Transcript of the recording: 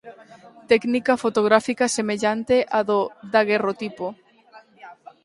Técnica fotográfica semellante á do daguerrotipo.